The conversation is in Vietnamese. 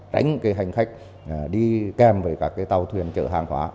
tránh hành khách đi kèm với các tàu thuyền chở hàng hóa